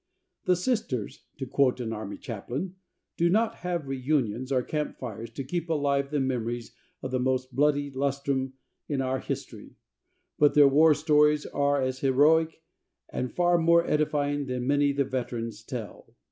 "The Sisters," to quote an army chaplain, "do not have reunions or camp fires to keep alive the memories of the most bloody lustrum in our history, but their war stories are as heroic, and far more edifying, than many the veterans tell."